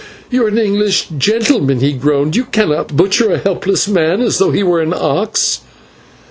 "You are an English gentleman," he groaned, "you cannot butcher a helpless man as though he were an ox."